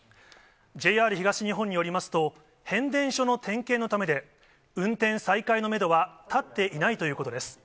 ＪＲ東日本によりますと、変電所の点検のためで、運転再開のメドは立っていないということです。